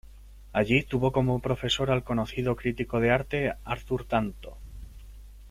Allí tuvo como profesor al conocido crítico de arte Arthur Danto.